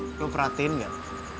kak lo perhatiin gak